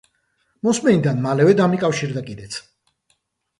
მოსმენიდან მალევე დამიკავშირდა კიდეც.